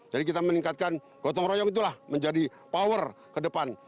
jadi kita meningkatkan gotong royong itulah menjadi power ke depan